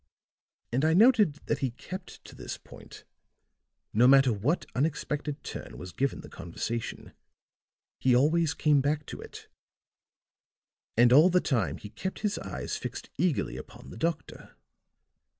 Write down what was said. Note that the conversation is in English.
And I noted that he kept to this point; no matter what unexpected turn was given the conversation he always came back to it. And all the time he kept his eyes fixed eagerly upon the doctor.